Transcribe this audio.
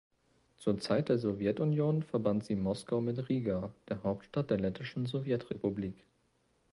Zur Zeit der Sowjetunion verband sie Moskau mit Riga, der Hauptstadt der Lettischen Sowjetrepublik.